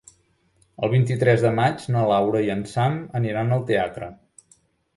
El vint-i-tres de maig na Laura i en Sam aniran al teatre.